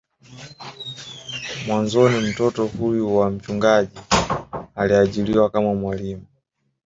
Mwanzoni mtoto huyo wa mchungaji aliajiriwa kama mwalimu